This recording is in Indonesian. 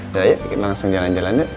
ya yuk kita langsung jalan jalan yuk